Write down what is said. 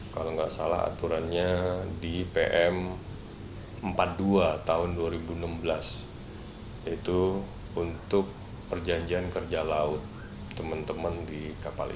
kalau nggak salah aturannya di pm empat puluh dua tahun dua ribu enam belas itu untuk perjanjian kerja laut teman teman di kapal ikan